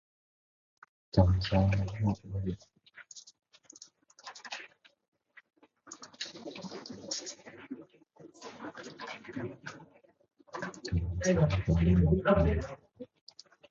Chồng sợ vợ một bề